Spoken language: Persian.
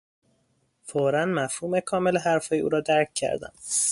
فورا مفهوم کامل حرفهای او را درک کردم.